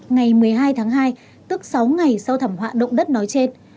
ngày một mươi hai tháng hai tức sáu ngày sau thảm họa động đất nói trên